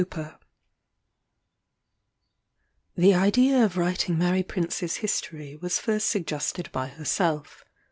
PREFACE. The idea of writing Mary Prince's history was first suggested by herself.